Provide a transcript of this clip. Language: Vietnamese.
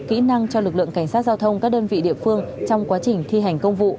kỹ năng cho lực lượng cảnh sát giao thông các đơn vị địa phương trong quá trình thi hành công vụ